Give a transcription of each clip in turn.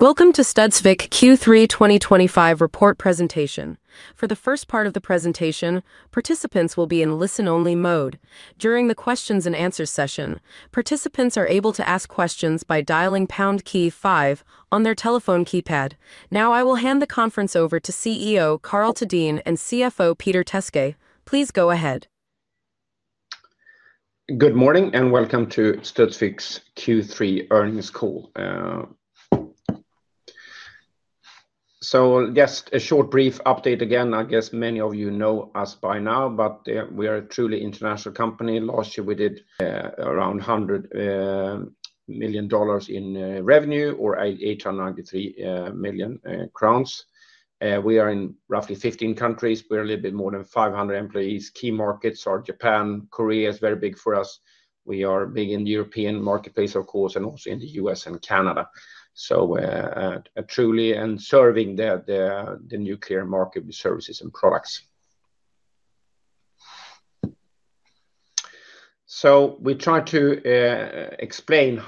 Welcome to Studsvik Q3 2025 report presentation. For the first part of the presentation, participants will be in listen-only mode. During the questions-and-answers session, participants are able to ask questions by dialing pound key 5 on their telephone keypad. Now, I will hand the conference over to CEO Karl Thédéen and CFO Peter Teske. Please go ahead. Good morning, and welcome to Studsvik's Q3 earnings call. Just a short brief update again. I guess many of you know us by now, but we are a truly international company. Last year, we did around $100 million in revenue, or 893 million crowns. We are in roughly 15 countries. We are a little bit more than 500 employees. Key markets are Japan. Korea is very big for us. We are big in the European marketplace, of course, and also in the U.S. and Canada. Truly serving the nuclear market with services and products. We try to explain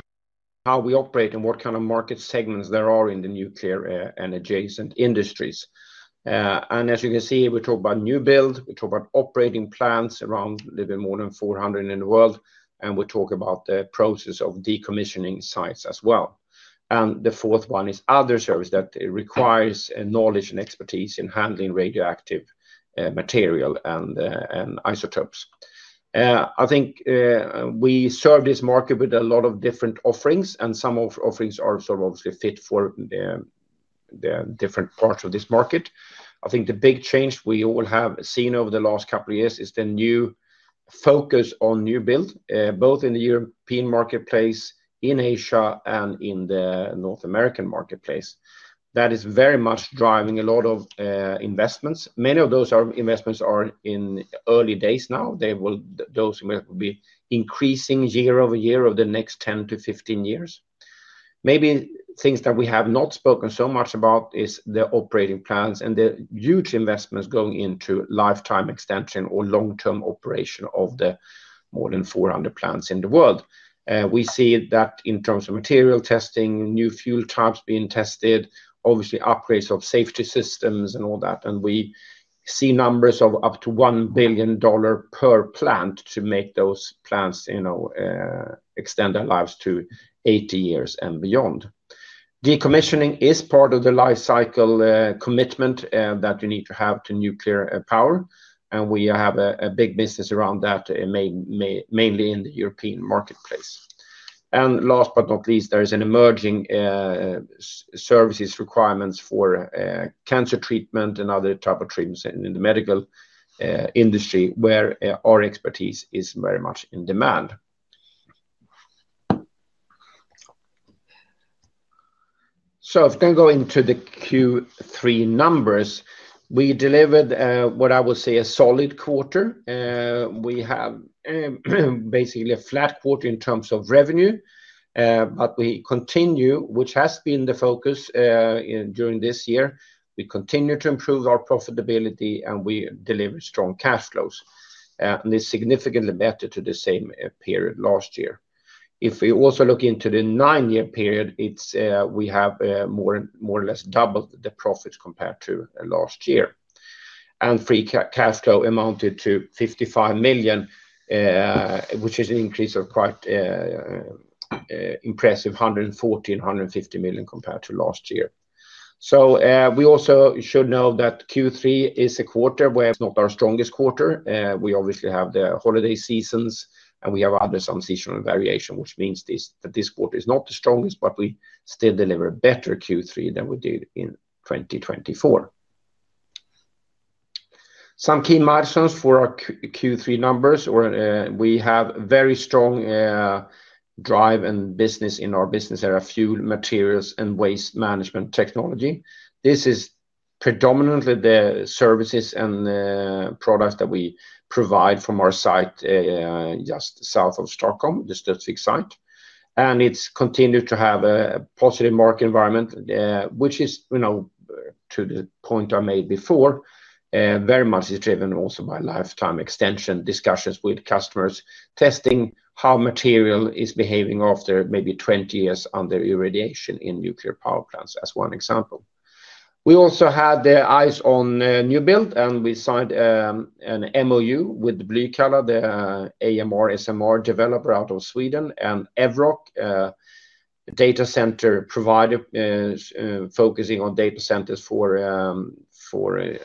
how we operate and what kind of market segments there are in the nuclear and adjacent industries. As you can see, we talk about new build. We talk about operating plants, around a little bit more than 400 in the world. We talk about the process of decommissioning sites as well. The fourth one is other service that requires knowledge and expertise in handling radioactive material and isotopes. I think we serve this market with a lot of different offerings, and some of the offerings are sort of fit for the different parts of this market. I think the big change we all have seen over the last couple of years is the new focus on new build, both in the European marketplace, in Asia, and in the North American marketplace. That is very much driving a lot of investments. Many of those investments are in early days now. Those will be increasing year over year over the next 10-15 years. Maybe things that we have not spoken so much about are the operating plants and the huge investments going into lifetime extension or long-term operation of the more than 400 plants in the world. We see that in terms of material testing, new fuel types being tested, obviously upgrades of safety systems and all that. We see numbers of up to $1 billion per plant to make those plants extend their lives to 80 years and beyond. Decommissioning is part of the life cycle commitment that you need to have to nuclear power. We have a big business around that, mainly in the European marketplace. Last but not least, there are emerging services requirements for cancer treatment and other types of treatments in the medical industry, where our expertise is very much in demand. If we can go into the Q3 numbers, we delivered what I would say a solid quarter. We have basically a flat quarter in terms of revenue, but we continue, which has been the focus during this year. We continue to improve our profitability, and we deliver strong cash flows. It is significantly better to the same period last year. If we also look into the nine-year period, we have more or less doubled the profits compared to last year. Free cash flow amounted to 55 million, which is an increase of quite. Impressive 140 million and 150 million compared to last year. We also should know that Q3 is a quarter where it's not our strongest quarter. We obviously have the holiday seasons, and we have other seasonal variations, which means that this quarter is not the strongest, but we still deliver a better Q3 than we did in 2024. Some key milestones for our Q3 numbers, or we have very strong drive and business in our business are fuel materials and waste management technology. This is predominantly the services and products that we provide from our site just south of Stockholm, the Studsvik site. It has continued to have a positive market environment, which is, to the point I made before, very much driven also by lifetime extension discussions with customers, testing how material is behaving after maybe 20 years under irradiation in nuclear power plants, as one example. We also had the eyes on new build, and we signed an MoU with Blykalla, the AMR, SMR developer out of Sweden, and evroc, data center provider focusing on data centers for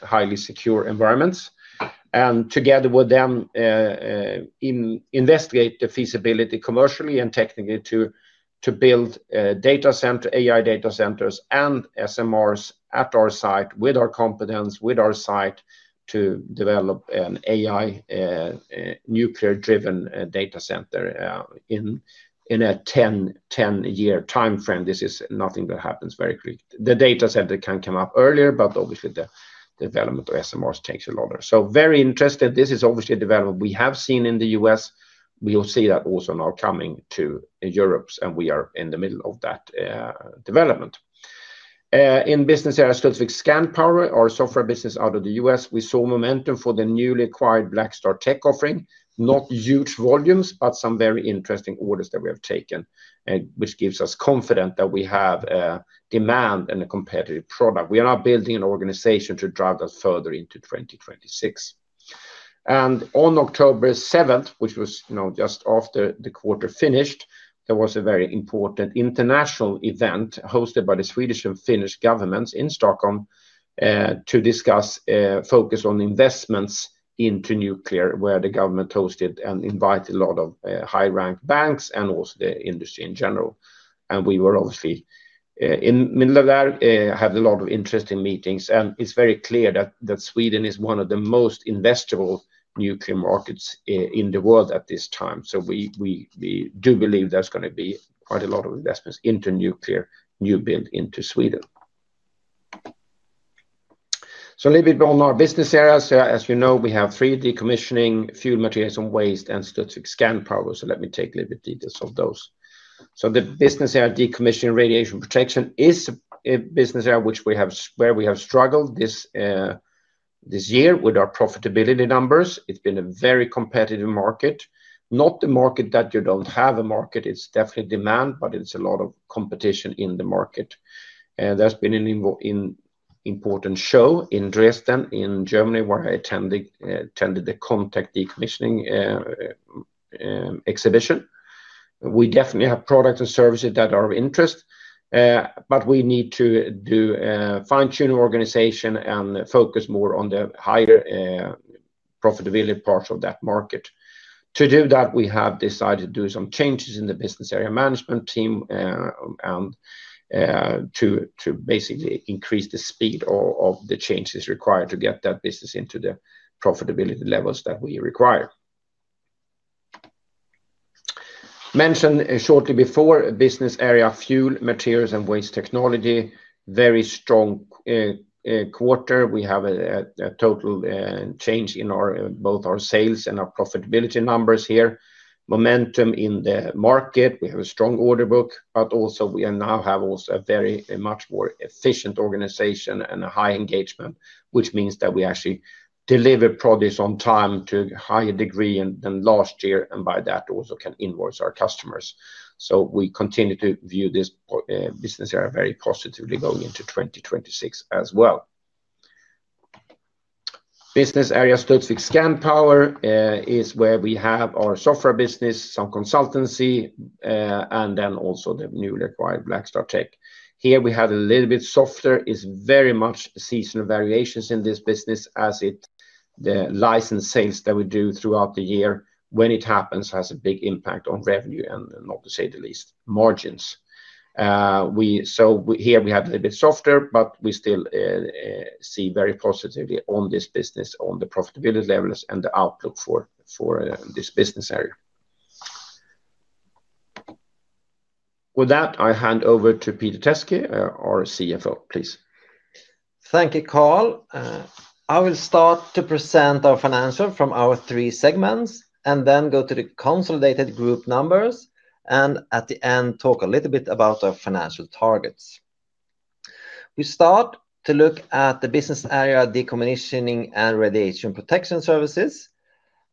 highly secure environments. Together with them, we investigate the feasibility commercially and technically to build data center, AI data centers and SMRs at our site with our competence, with our site to develop an AI nuclear-driven data center in a 10-year time frame. This is nothing that happens very quickly. The data center can come up earlier, but obviously the development of SMRs takes a lot of time. Very interesting. This is obviously a development we have seen in the U.S. We will see that also now coming to Europe, and we are in the middle of that development. In business area Studsvik Scandpower, our software business out of the U.S., we saw momentum for the newly acquired BlackstarTech offering. Not huge volumes, but some very interesting orders that we have taken, which gives us confidence that we have demand and a competitive product. We are now building an organization to drive that further into 2026. On October 7, which was just after the quarter finished, there was a very important international event hosted by the Swedish and Finnish governments in Stockholm to discuss focus on investments into nuclear, where the government hosted and invited a lot of high-ranked banks and also the industry in general. We were obviously in the middle of that, had a lot of interesting meetings. It is very clear that Sweden is one of the most investable nuclear markets in the world at this time. We do believe there's going to be quite a lot of investments into nuclear new build into Sweden. A little bit on our business areas. As you know, we have three: decommissioning, fuel materials and waste, and Studsvik Scandpower. Let me take a little bit of details of those. The business area decommissioning radiation protection is a business area where we have struggled. This year with our profitability numbers. It's been a very competitive market. Not the market that you don't have a market. It's definitely demand, but it's a lot of competition in the market. That's been an important show in Dresden, in Germany, where I attended the KONTEC decommissioning exhibition. We definitely have products and services that are of interest. We need to fine-tune organization and focus more on the higher profitability parts of that market. To do that, we have decided to do some changes in the business area management team. To basically increase the speed of the changes required to get that business into the profitability levels that we require. Mentioned shortly before, business area fuel, materials, and waste technology, very strong quarter. We have a total change in both our sales and our profitability numbers here. Momentum in the market. We have a strong order book, but also we now have a very much more efficient organization and a high engagement, which means that we actually deliver produce on time to a higher degree than last year, and by that also can invoice our customers. We continue to view this business area very positively going into 2026 as well. Business area Studsvik Scandpower is where we have our software business, some consultancy, and then also the newly acquired BlackStarTech. Here, we have a little bit softer. It's very much seasonal variations in this business as it, the license sales that we do throughout the year, when it happens, has a big impact on revenue and not to say the least, margins. Here we have a little bit softer, but we still see very positively on this business, on the profitability levels and the outlook for this business area. With that, I hand over to Peter Teske, our CFO, please. Thank you, Karl. I will start to present our financials from our three segments and then go to the consolidated group numbers. At the end, I will talk a little bit about our financial targets. We start to look at the business area decommissioning and radiation protection services.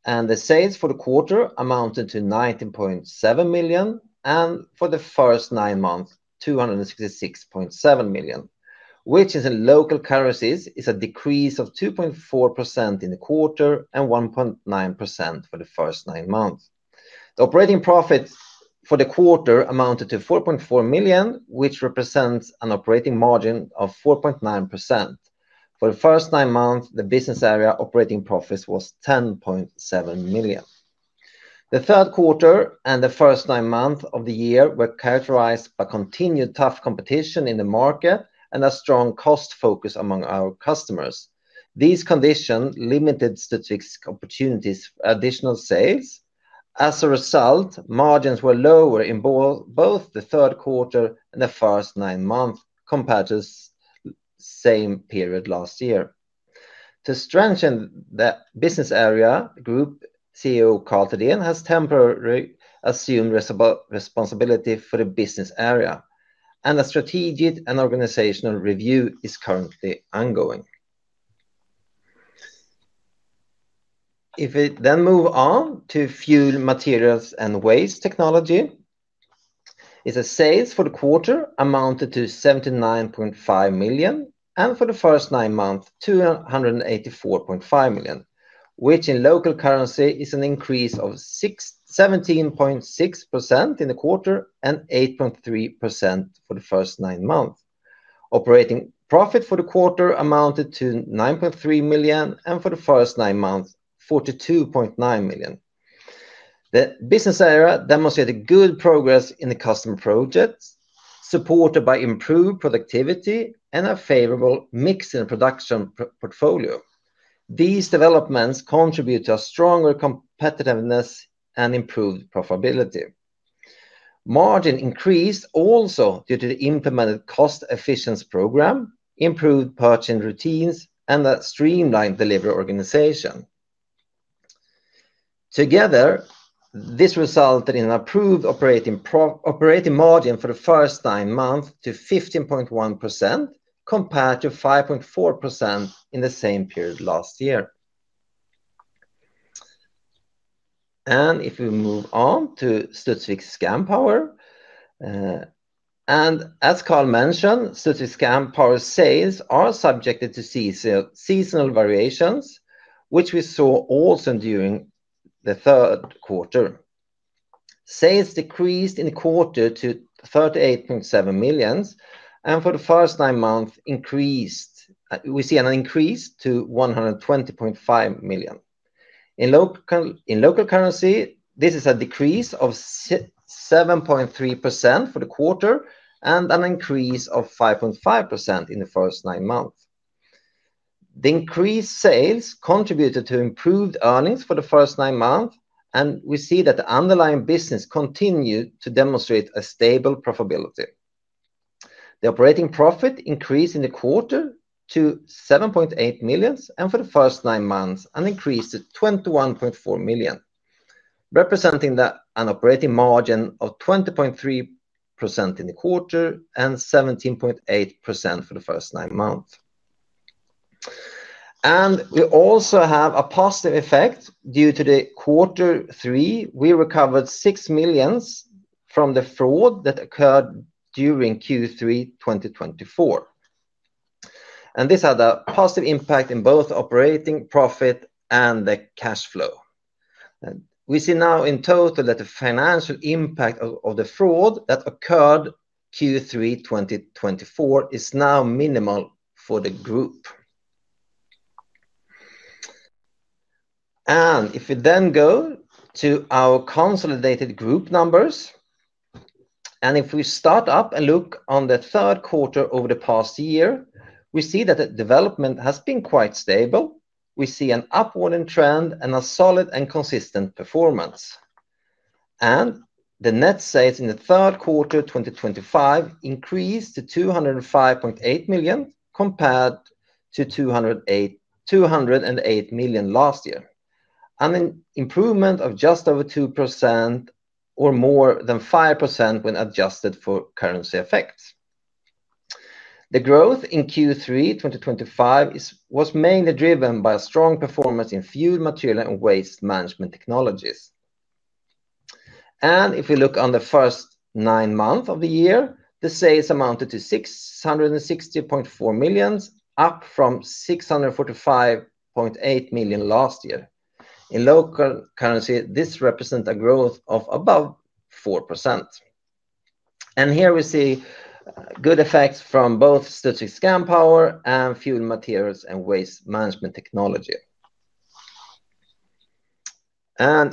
The sales for the quarter amounted to 19.7 million and for the first nine months, 266.7 million, which in local currencies is a decrease of 2.4% in the quarter and 1.9% for the first nine months. The operating profit for the quarter amounted to 4.4 million, which represents an operating margin of 4.9%. For the first nine months, the business area operating profit was 10.7 million. The third quarter and the first nine months of the year were characterized by continued tough competition in the market and a strong cost focus among our customers. These conditions limited Studsvik's opportunities for additional sales. As a result, margins were lower in both the third quarter and the first nine months compared to the same period last year. To strengthen the business area, Group CEO Karl Thédéen has temporarily assumed responsibility for the business area. A strategic and organizational review is currently ongoing. If we then move on to fuel materials and waste technology, sales for the quarter amounted to 79.5 million and for the first nine months, 284.5 million, which in local currency is an increase of 17.6% in the quarter and 8.3% for the first nine months. Operating profit for the quarter amounted to 9.3 million and for the first nine months, 42.9 million. The business area demonstrated good progress in the customer projects, supported by improved productivity and a favorable mix in the production portfolio. These developments contribute to a stronger competitiveness and improved profitability. Margin increased also due to the implemented cost efficiency program, improved purchasing routines, and a streamlined delivery organization. Together, this resulted in an improved operating margin for the first nine months to 15.1% compared to 5.4% in the same period last year. If we move on to Studsvik Scandpower, as Karl mentioned, Studsvik Scandpower's sales are subjected to seasonal variations, which we saw also during the third quarter. Sales decreased in the quarter to 38.7 million, and for the first nine months, we see an increase to 120.5 million. In local currency, this is a decrease of 7.3% for the quarter and an increase of 5.5% in the first nine months. The increased sales contributed to improved earnings for the first nine months, and we see that the underlying business continued to demonstrate a stable profitability. The operating profit increased in the quarter to 7.8 million, and for the first nine months, an increase to 21.4 million, representing an operating margin of 20.3% in the quarter and 17.8% for the first nine months. We also have a positive effect due to the third quarter. We recovered 6 million from the fraud that occurred during Q3 2024. This had a positive impact in both operating profit and the cash flow. We see now in total that the financial impact of the fraud that occurred in Q3 2024 is now minimal for the group. If we then go to our consolidated group numbers, and if we start up and look on the third quarter over the past year, we see that the development has been quite stable. We see an upward trend and a solid and consistent performance. The net sales in the third quarter 2025 increased to 205.8 million compared to 208 million last year. An improvement of just over 2%, or more than 5% when adjusted for currency effects. The growth in Q3 2025 was mainly driven by strong performance in fuel, material, and waste management technologies. If we look on the first nine months of the year, the sales amounted to 660.4 million, up from 645.8 million last year. In local currency, this represents a growth of above 4%. Here we see good effects from both Studsvik Scandpower and fuel materials and waste management technology.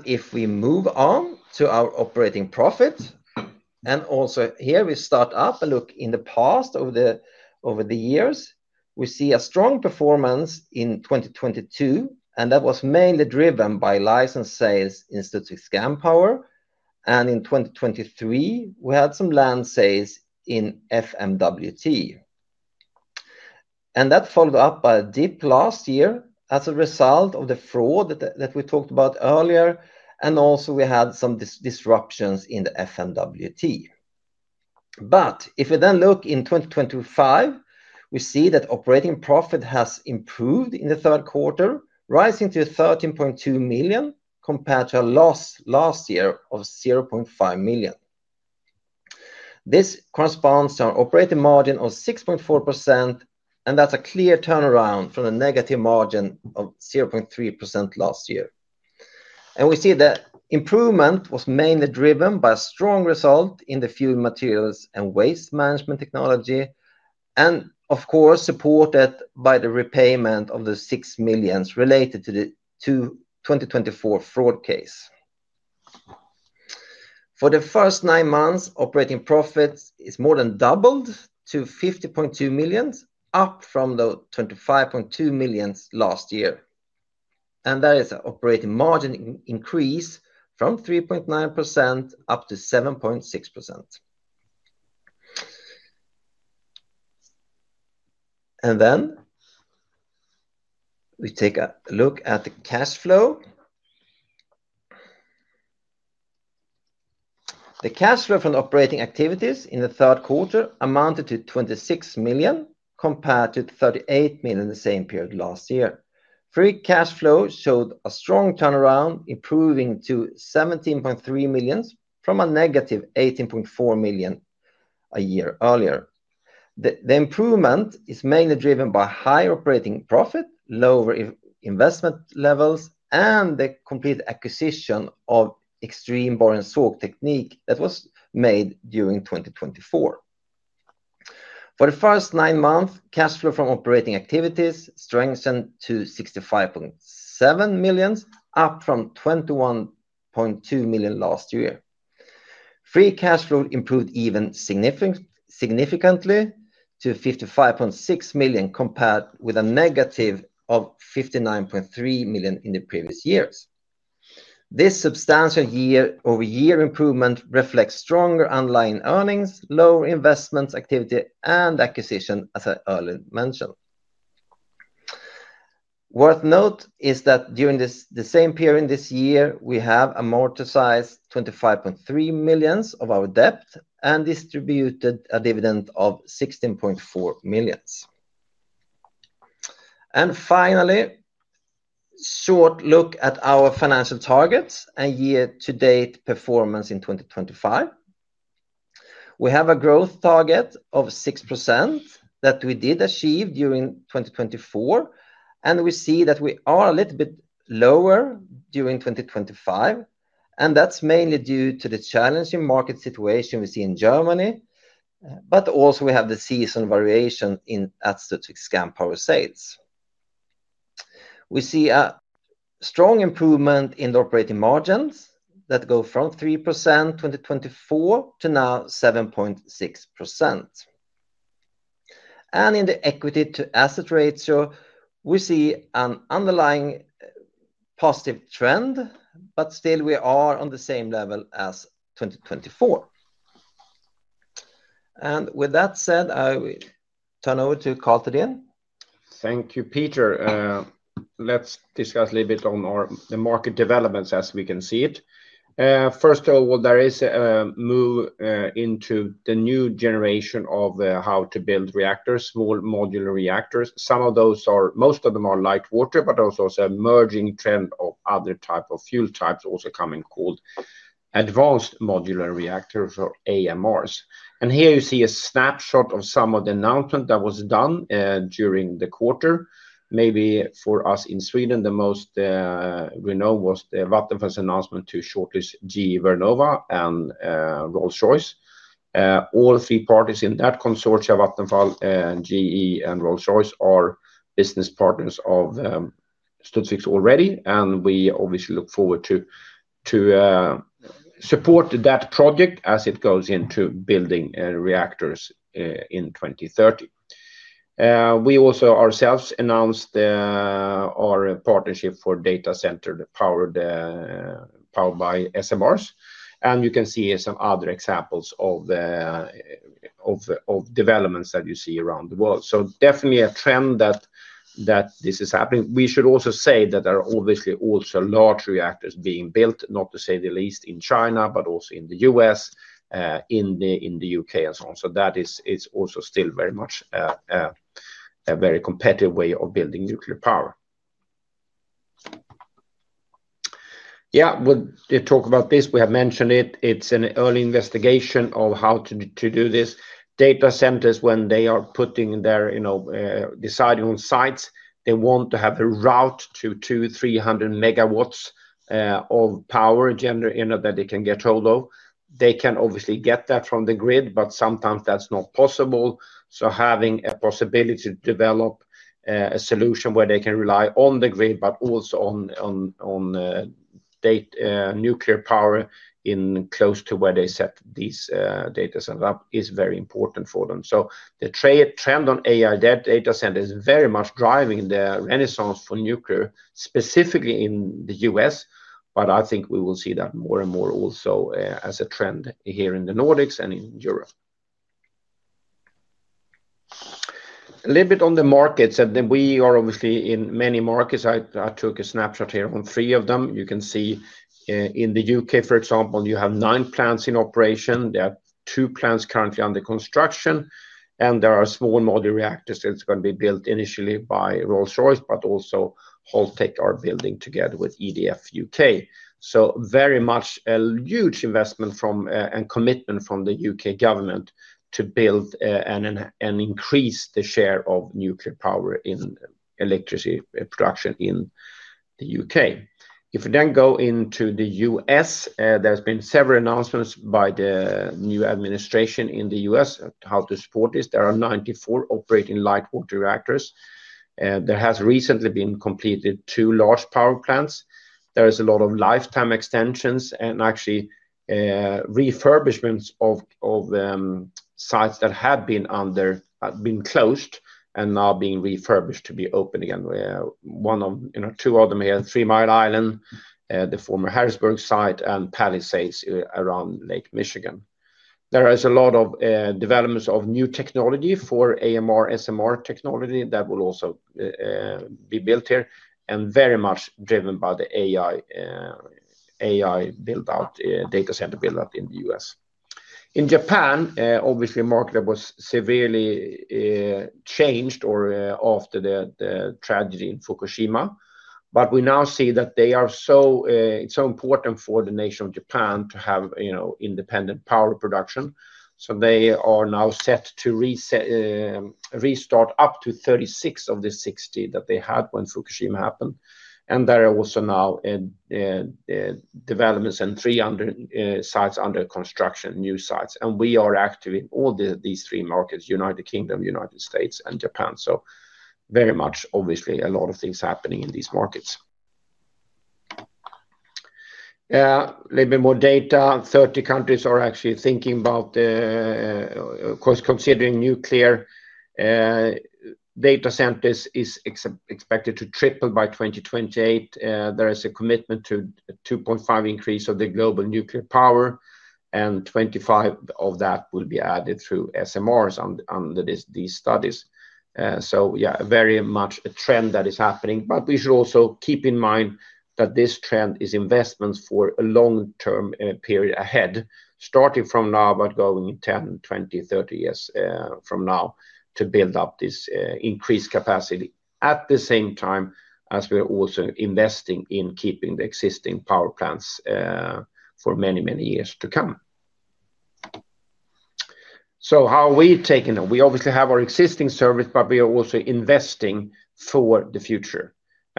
If we move on to our operating profit, and also here we start up and look in the past over the years, we see a strong performance in 2022, and that was mainly driven by license sales in Studsvik Scandpower. In 2023, we had some land sales in FMWT. That followed up by a dip last year as a result of the fraud that we talked about earlier, and also we had some disruptions in the FMWT. If we then look in 2025, we see that operating profit has improved in the third quarter, rising to 13.2 million compared to last year of 0.5 million. This corresponds to an operating margin of 6.4%, and that's a clear turnaround from a negative margin of 0.3% last year. We see that improvement was mainly driven by a strong result in the fuel materials and waste management technology, and of course supported by the repayment of the 6 million related to the 2024 fraud case. For the first nine months, operating profits have more than doubled to 50.2 million, up from 25.2 million last year. That is an operating margin increase from 3.9% up to 7.6%. We take a look at the cash flow. The cash flow from operating activities in the third quarter amounted to 26 million compared to 38 million in the same period last year. Free cash flow showed a strong turnaround, improving to 17.3 million from a -18.4 million a year earlier. The improvement is mainly driven by higher operating profit, lower investment levels, and the complete acquisition of Extreme Boring Soak Technique that was made during 2024. For the first nine months, cash flow from operating activities strengthened to 65.7 million, up from 21.2 million last year. Free cash flow improved even significantly to 55.6 million compared with a negative of 59.3 million in the previous years. This substantial year-over-year improvement reflects stronger underlying earnings, lower investment activity, and acquisition, as I earlier mentioned. Worth note is that during the same period this year, we have amortized 25.3 million of our debt and distributed a dividend of 16.4 million. Finally, a short look at our financial targets and year-to-date performance in 2025. We have a growth target of 6% that we did achieve during 2024, and we see that we are a little bit lower during 2025, and that is mainly due to the challenging market situation we see in Germany, but also we have the seasonal variation in Studsvik Scandpower sales. We see a strong improvement in the operating margins that go from 3% in 2024 to now 7.6%. In the equity-to-asset ratio, we see an underlying positive trend, but still we are on the same level as 2024. With that said, I turn over to Karl Thédéen. Thank you, Peter. Let's discuss a little bit on the market developments as we can see it. First of all, there is a move into the new generation of how to build reactors, small modular reactors. Some of those are, most of them are light water, but also a merging trend of other types of fuel types also coming called advanced modular reactors or AMRs. And here you see a snapshot of some of the announcements that were done during the quarter. Maybe for us in Sweden, the most we know was the Vattenfall's announcement to shortlist GE Vernova and Rolls-Royce. All three parties in that consortia, Vattenfall, GE, and Rolls-Royce, are business partners of Studsvik already, and we obviously look forward to support that project as it goes into building reactors in 2030. We also ourselves announced our partnership for data center powered by SMRs, and you can see some other examples of developments that you see around the world. Definitely a trend that this is happening. We should also say that there are obviously also large reactors being built, not to say the least in China, but also in the U.S., in the U.K., and so on. That is also still very much a very competitive way of building nuclear power. Yeah, we'll talk about this. We have mentioned it. It's an early investigation of how to do this. Data centers, when they are putting their, deciding on sites, they want to have a route to 200 MW-300 MW of power that they can get hold of. They can obviously get that from the grid, but sometimes that's not possible. Having a possibility to develop a solution where they can rely on the grid, but also on nuclear power close to where they set these data centers up is very important for them. The trend on AI data centers is very much driving the renaissance for nuclear, specifically in the U.S., but I think we will see that more and more also as a trend here in the Nordics and in Europe. A little bit on the markets, and we are obviously in many markets. I took a snapshot here on three of them. You can see in the U.K., for example, you have nine plants in operation. There are two plants currently under construction, and there are small modular reactors that are going to be built initially by Rolls-Royce, but also Holtec are building together with EDF U.K. Very much a huge investment and commitment from the U.K. government to build and increase the share of nuclear power in electricity production in the U.K. If we then go into the U.S., there have been several announcements by the new administration in the U.S. how to support this. There are 94 operating light water reactors. There have recently been completed two large power plants. There are a lot of lifetime extensions and actually refurbishments of. Sites that have been closed and now being refurbished to be open again. One or two of them here in Three Mile Island, the former Harrisburg site, and Palisades around Lake Michigan. There is a lot of development of new technology for AMR, SMR technology that will also be built here and very much driven by the AI build-out, data center build-out in the U.S. In Japan, obviously, the market was severely changed after the tragedy in Fukushima, but we now see that it's so important for the nation of Japan to have independent power production. They are now set to restart up to 36 of the 60 that they had when Fukushima happened. There are also now developments and 300 sites under construction, new sites. We are active in all these three markets, United Kingdom, United States, and Japan. Very much, obviously, a lot of things happening in these markets. A little bit more data. Thirty countries are actually thinking about considering nuclear. Data centers are expected to triple by 2028. There is a commitment to a 2.5 increase of the global nuclear power, and 25% of that will be added through SMRs under these studies. Yeah, very much a trend that is happening. We should also keep in mind that this trend is investments for a long-term period ahead, starting from now, but going 10, 20, 30 years from now to build up this increased capacity at the same time as we're also investing in keeping the existing power plants for many, many years to come. How are we taking them? We obviously have our existing service, but we are also investing for the future.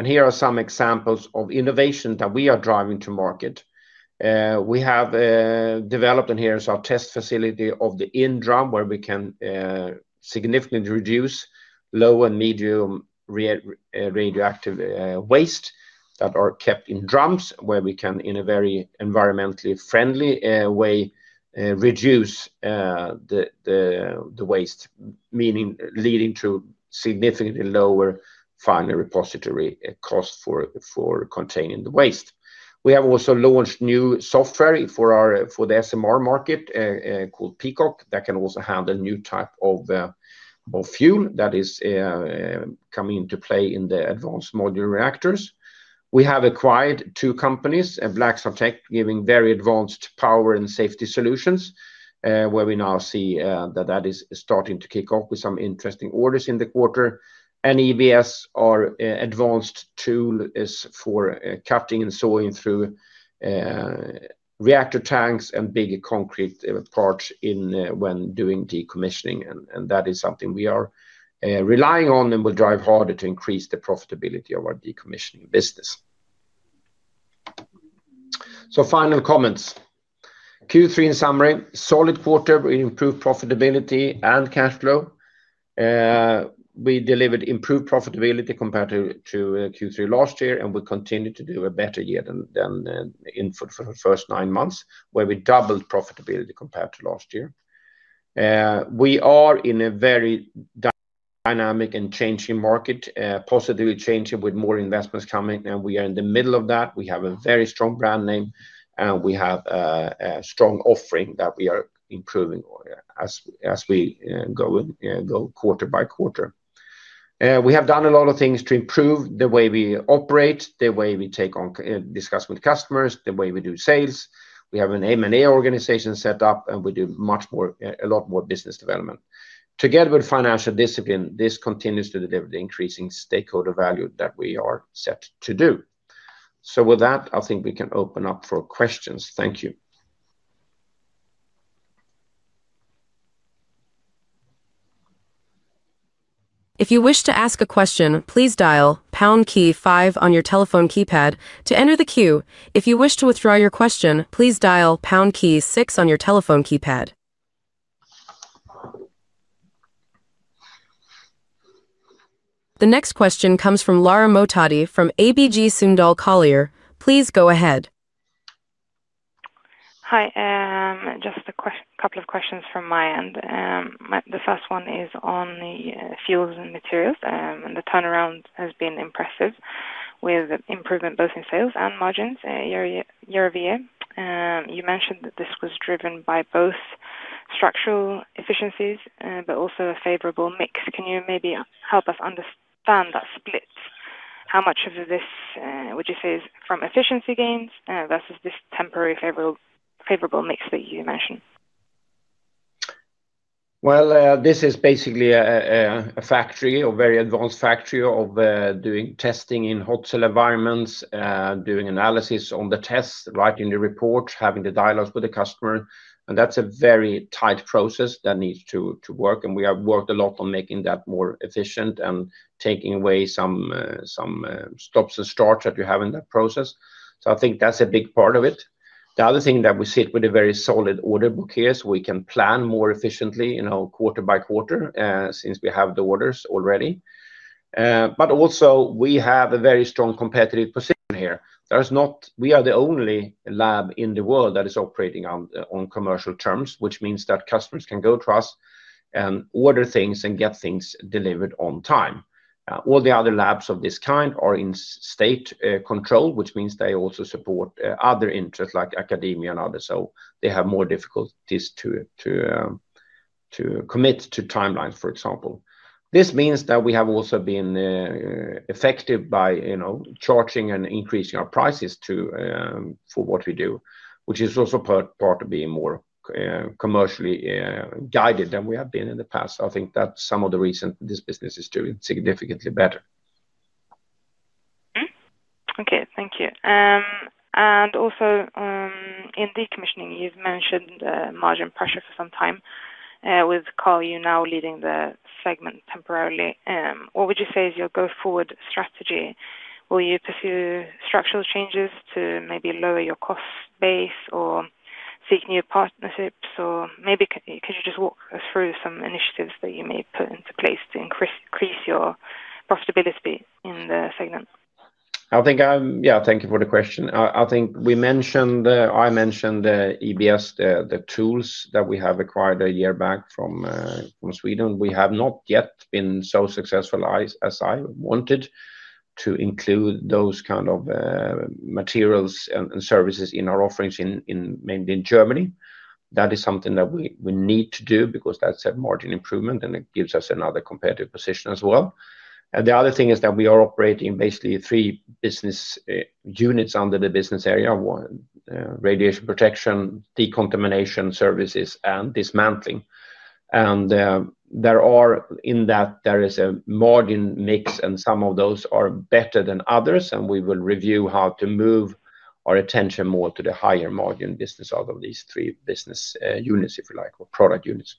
Here are some examples of innovation that we are driving to market. We have developed, and here is our test facility of the in-drum, where we can significantly reduce low and medium radioactive waste that are kept in drums, where we can, in a very environmentally friendly way, reduce the waste, meaning leading to significantly lower final repository cost for containing the waste. We have also launched new software for the SMR market called Peacock that can also handle a new type of fuel that is coming into play in the advanced modular reactors. We have acquired two companies, BlackStarTech, giving very advanced power and safety solutions, where we now see that that is starting to kick off with some interesting orders in the quarter. EBS, our advanced tool, is for cutting and sawing through reactor tanks and big concrete parts when doing decommissioning. That is something we are relying on and will drive harder to increase the profitability of our decommissioning business. Final comments. Q3 in summary, solid quarter, improved profitability and cash flow. We delivered improved profitability compared to Q3 last year, and we continue to do a better year than in the first nine months, where we doubled profitability compared to last year. We are in a very. Dynamic and changing market, positively changing with more investments coming, and we are in the middle of that. We have a very strong brand name, and we have a strong offering that we are improving as we go quarter by quarter. We have done a lot of things to improve the way we operate, the way we discuss with customers, the way we do sales. We have an M&A organization set up, and we do a lot more business development. Together with financial discipline, this continues to deliver the increasing stakeholder value that we are set to do. With that, I think we can open up for questions. Thank you. If you wish to ask a question, please dial pound key five on your telephone keypad to enter the queue. If you wish to withdraw your question, please dial pound key six on your telephone keypad. The next question comes from Lara Mohtadi from ABG Sundal Collier. Please go ahead. Hi. Just a couple of questions from my end. The first one is on the fuels and materials. The turnaround has been impressive with improvement both in sales and margins. Your view, you mentioned that this was driven by both structural efficiencies but also a favorable mix. Can you maybe help us understand that split? How much of this would you say is from efficiency gains versus this temporary favorable mix that you mentioned? This is basically a factory or very advanced factory of doing testing in hot cell environments, doing analysis on the test, writing the reports, having the dialogues with the customer. That is a very tight process that needs to work. We have worked a lot on making that more efficient and taking away some stops and starts that you have in that process. I think that is a big part of it. The other thing is that we sit with a very solid order book here, so we can plan more efficiently quarter by quarter since we have the orders already. Also, we have a very strong competitive position here. We are the only lab in the world that is operating on commercial terms, which means that customers can go to us and order things and get things delivered on time. All the other labs of this kind are in state control, which means they also support other interests like academia and others. They have more difficulties to commit to timelines, for example. This means that we have also been effective by charging and increasing our prices for what we do, which is also part of being more commercially guided than we have been in the past. I think that is some of the reasons this business is doing significantly better. Okay. Thank you. Also, in decommissioning, you've mentioned margin pressure for some time. With Karl, you're now leading the segment temporarily. What would you say is your go-forward strategy? Will you pursue structural changes to maybe lower your cost base or seek new partnerships? Or maybe could you just walk us through some initiatives that you may put into place to increase your profitability in the segment? I think, yeah, thank you for the question. I think I mentioned EBS, the tools that we have acquired a year back from Sweden. We have not yet been so successful as I wanted to include those kinds of materials and services in our offerings mainly in Germany. That is something that we need to do because that's a margin improvement, and it gives us another competitive position as well. The other thing is that we are operating basically three business units under the business area: radiation protection, decontamination services, and dismantling. In that, there is a margin mix, and some of those are better than others. We will review how to move our attention more to the higher margin business out of these three business units, if you like, or product units.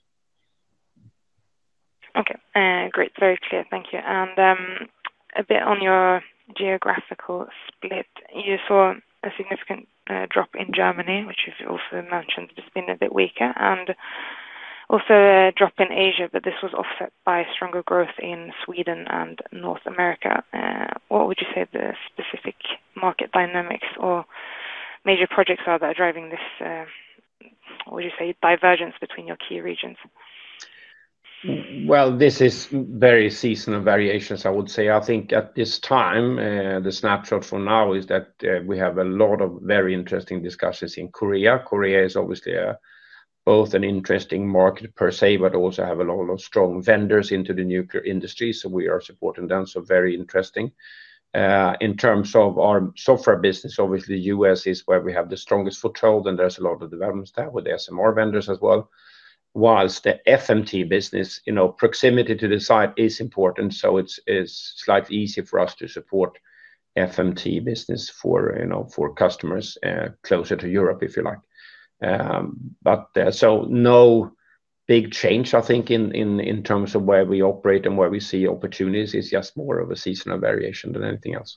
Okay. Great. Very clear. Thank you. A bit on your geographical split. You saw a significant drop in Germany, which you've also mentioned has been a bit weaker, and also a drop in Asia, but this was offset by stronger growth in Sweden and North America. What would you say the specific market dynamics or major projects are that are driving this, what would you say, divergence between your key regions? This is very seasonal variations, I would say. I think at this time, the snapshot for now is that we have a lot of very interesting discussions in South Korea. South Korea is obviously both an interesting market per se, but also has a lot of strong vendors into the nuclear industry, so we are supporting them. Very interesting. In terms of our software business, obviously, the U.S. is where we have the strongest foothold, and there is a lot of developments there with the SMR vendors as well. Whilst the FMT business, proximity to the site is important, so it is slightly easier for us to support FMT business for customers closer to Europe, if you like. No big change, I think, in terms of where we operate and where we see opportunities. It is just more of a seasonal variation than anything else.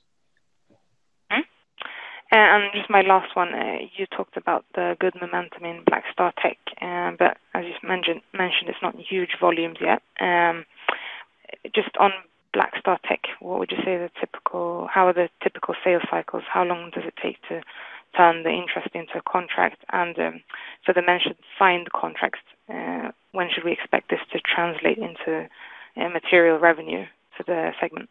Just my last one. You talked about the good momentum in BlackStarTech, but as you mentioned, it's not huge volumes yet. Just on BlackStarTech, what would you say the typical, how are the typical sales cycles? How long does it take to turn the interest into a contract? For the mentioned signed contracts, when should we expect this to translate into material revenue for the segment?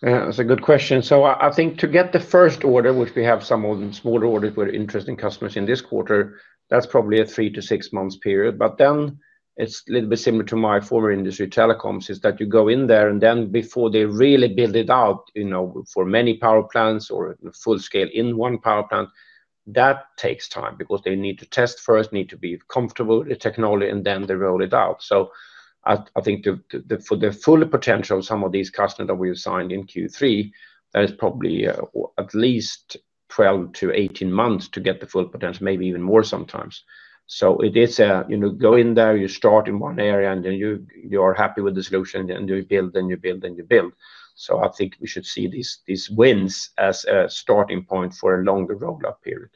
That's a good question. I think to get the first order, which we have some of the smaller orders with interesting customers in this quarter, that's probably a three- to six-month period. Then it's a little bit similar to my former industry, telecoms, in that you go in there, and before they really build it out for many power plants or full-scale in one power plant, that takes time because they need to test first, need to be comfortable with the technology, and then they roll it out. I think for the full potential of some of these customers that we assigned in Q3, there is probably at least 12 months-18 months to get the full potential, maybe even more sometimes. It is a go in there, you start in one area, and then you are happy with the solution, and then you build, and you build, and you build. I think we should see these wins as a starting point for a longer rollout period.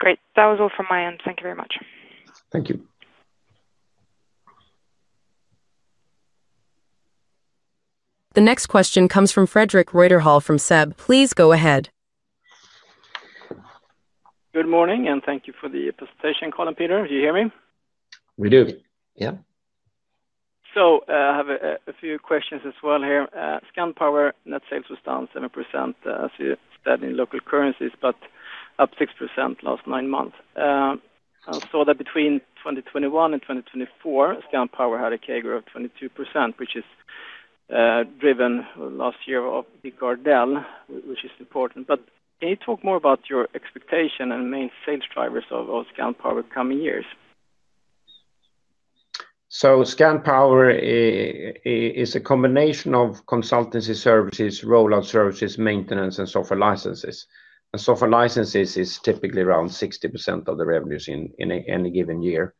Great. That was all from my end. Thank you very much. Thank you. The next question comes from Frederick Reuterhäll from SEB. Please go ahead. Good morning, and thank you for the presentation, Karl and Peter. Do you hear me? We do. Yeah. I have a few questions as well here. Scandpower, net sales was down 7% as you said in local currencies, but up 6% last nine months. I saw that between 2021 and 2024, Scandpower had a CAGR of 22%, which is driven last year of the Cordell, which is important. Can you talk more about your expectation and main sales drivers of Scandpower coming years? Scandpower is a combination of consultancy services, rollout services, maintenance, and software licenses. Software licenses is typically around 60% of the revenues in any given year.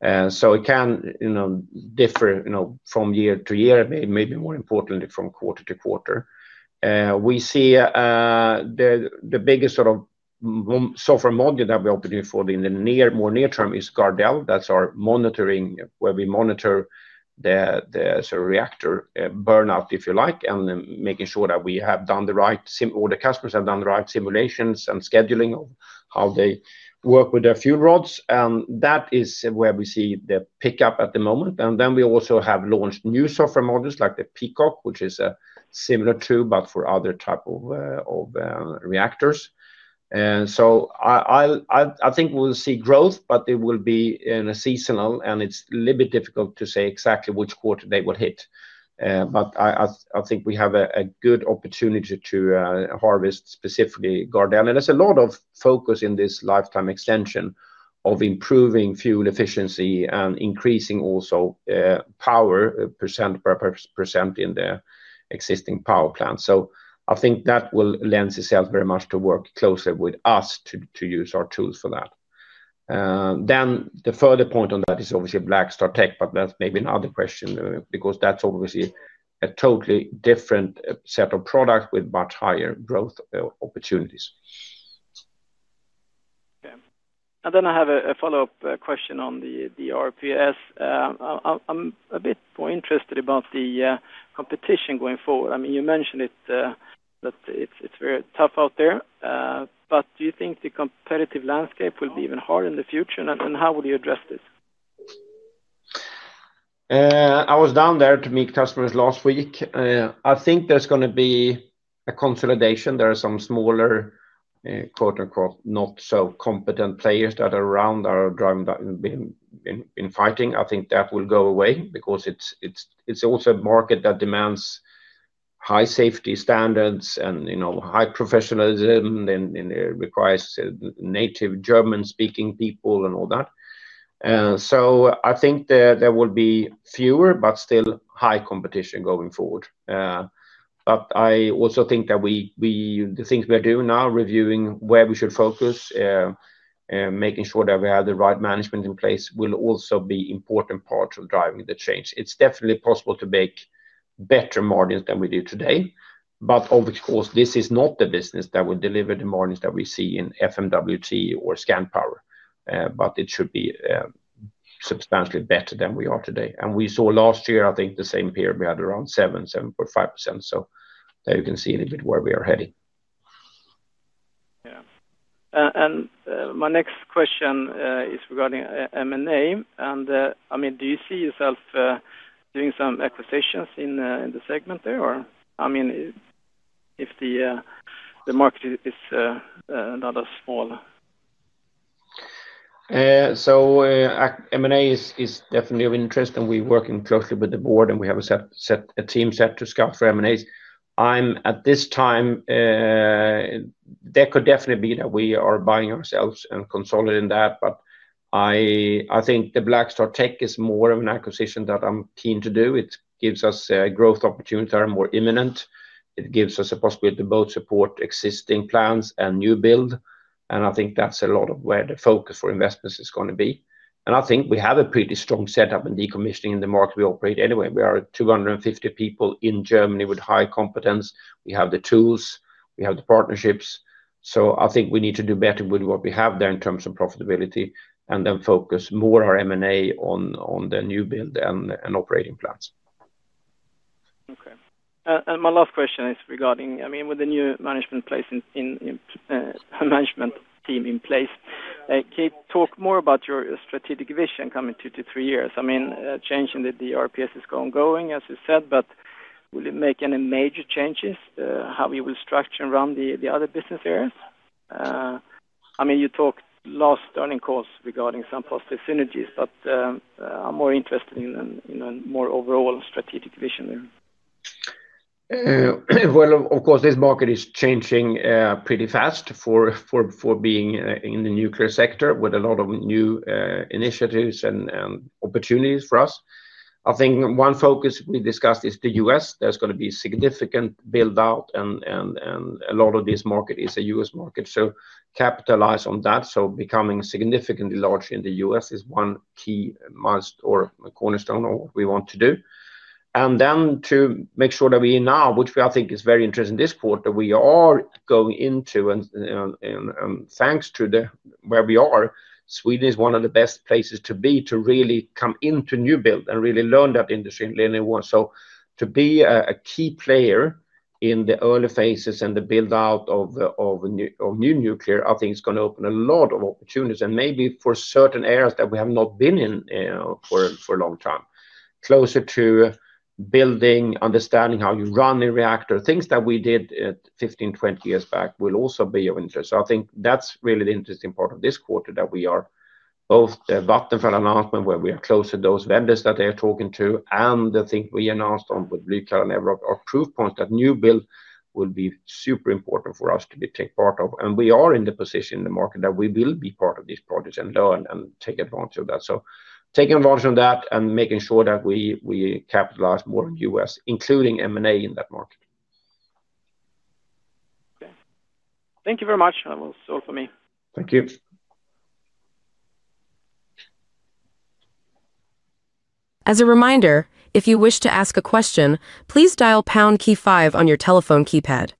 It can differ from year to year, maybe more importantly from quarter to quarter. We see the biggest sort of software module that we're operating for in the more near-term is GARDEL. That's our monitoring where we monitor the reactor burnout, if you like, and making sure that we have done the right or the customers have done the right simulations and scheduling of how they work with their fuel rods. That is where we see the pickup at the moment. We also have launched new software models like the Peacock, which is similar too, but for other types of reactors. I think we'll see growth, but it will be in a seasonal, and it's a little bit difficult to say exactly which quarter they will hit. I think we have a good opportunity to harvest specifically Cordell. There's a lot of focus in this lifetime extension of improving fuel efficiency and increasing also power percent per percentage in the existing power plant. I think that will lend itself very much to work closely with us to use our tools for that. The further point on that is obviously BlackStarTech, but that's maybe another question because that's obviously a totally different set of products with much higher growth opportunities. Okay. I have a follow-up question on the RPS. I'm a bit more interested about the competition going forward. I mean, you mentioned it. It's very tough out there. Do you think the competitive landscape will be even harder in the future? How will you address this? I was down there to meet customers last week. I think there's going to be a consolidation. There are some smaller, "not so competent" players that are around that are fighting. I think that will go away because it's also a market that demands high safety standards and high professionalism, and it requires native German-speaking people and all that. I think there will be fewer, but still high competition going forward. I also think that the things we are doing now, reviewing where we should focus, making sure that we have the right management in place, will also be important parts of driving the change. It's definitely possible to make better margins than we do today. Of course, this is not the business that will deliver the margins that we see in FMWT or Scandpower. It should be substantially better than we are today. We saw last year, I think, the same period we had around 7%-7.5%. There you can see a little bit where we are heading. Yeah. My next question is regarding M&A. I mean, do you see yourself doing some acquisitions in the segment there, or, I mean, if the market is not as small? M&A is definitely of interest, and we're working closely with the board, and we have a team set to scout for M&As at this time. There could definitely be that we are buying ourselves and consolidating that. I think the BlackStarTech is more of an acquisition that I'm keen to do. It gives us growth opportunities that are more imminent. It gives us a possibility to both support existing plans and new build. I think that's a lot of where the focus for investments is going to be. I think we have a pretty strong setup in decommissioning in the market we operate anyway. We are 250 people in Germany with high competence. We have the tools. We have the partnerships. I think we need to do better with what we have there in terms of profitability and then focus more on our M&A on the new build and operating plants. Okay. My last question is regarding, I mean, with the new management team in place, can you talk more about your strategic vision coming two to three years? I mean, changing the RPS is ongoing, as you said, but will it make any major changes how you will structure and run the other business areas? I mean, you talked last earning calls regarding some positive synergies, but I'm more interested in a more overall strategic vision there. Of course, this market is changing pretty fast for being in the nuclear sector with a lot of new initiatives and opportunities for us. I think one focus we discussed is the U.S. There is going to be significant build-out, and a lot of this market is a U.S. market. Capitalize on that. Becoming significantly larger in the U.S. is one key milestone or cornerstone of what we want to do. To make sure that we now, which I think is very interesting this quarter, we are going into, and thanks to where we are, Sweden is one of the best places to be to really come into new build and really learn that industry in linear one. To be a key player in the early phases and the build-out of new nuclear, I think it is going to open a lot of opportunities and maybe for certain areas that we have not been in for a long time. Closer to building, understanding how you run a reactor, things that we did 15-20 years back will also be of interest. I think that is really the interesting part of this quarter, that we are both the Vattenfall announcement where we are close to those vendors that they are talking to. I think we announced on with Blykalla and evroc our proof points that new build will be super important for us to be taking part of. We are in the position in the market that we will be part of these projects and learn and take advantage of that. Taking advantage of that and making sure that we capitalize more on U.S., including M&A in that market. Okay. Thank you very much. That was all for me. Thank you. As a reminder, if you wish to ask a question, please dial Pound Key 5 on your telephone keypad.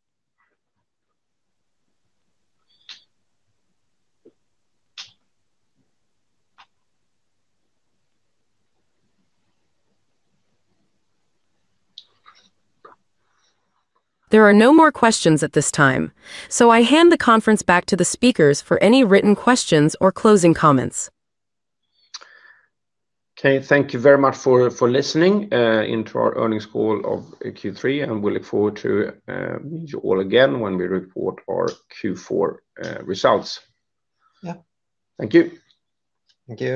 There are no more questions at this time, so I hand the conference back to the speakers for any written questions or closing comments. Okay. Thank you very much for listening into our earnings call of Q3, and we look forward to meeting you all again when we report our Q4 results. Yeah. Thank you. Thank you.